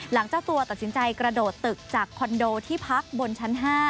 เจ้าตัวตัดสินใจกระโดดตึกจากคอนโดที่พักบนชั้น๕